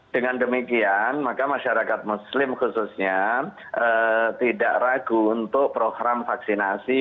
dengan demikian maka masyarakat muslim khususnya tidak ragu untuk program vaksinasi